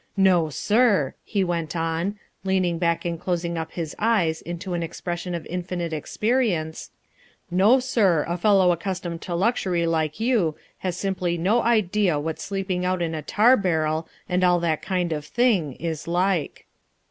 No, sir," he went on, leaning back and closing up his eyes into an expression of infinite experience, "no, sir, a fellow accustomed to luxury like you has simply no idea what sleeping out in a tar barrel and all that kind of thing is like."